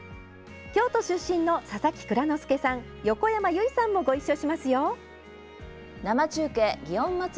京都出身の佐々木蔵之介さん横山由依さんもごいっしょしますよ。